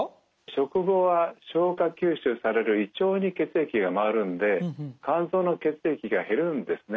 食後は消化吸収される胃腸に血液が回るんで肝臓の血液が減るんですね。